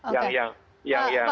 pak mada mungkin